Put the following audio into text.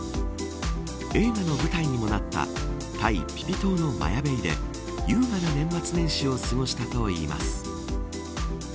映画の舞台にもなったタイ、ピピ島のマヤベイで優雅な年末年始を過ごしたといいます。